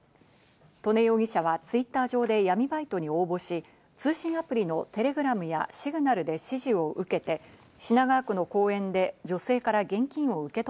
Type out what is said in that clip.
刀禰容疑者はＴｗｉｔｔｅｒ上で闇バイトに応募し、通信アプリのテレグラムやシグナルで指示を受けて、お天気です。